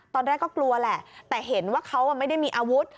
ตอนแรกก็กลัวแหละแต่เห็นว่าเขาไม่ได้มีอาวุธ